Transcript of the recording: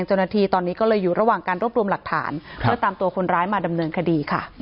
จากคดีนั้นด้วยหรือไม่